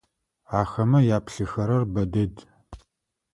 Ахэмэ яплъыхэрэр бэ дэд.